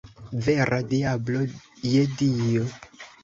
Vera diablo, je Dio!